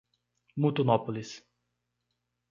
Mutunópolis